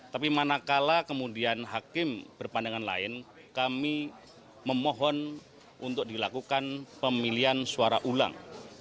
tapi manakala kemudian hakim berpandangan lain kami memohon untuk dilakukan pemilihan suara ulang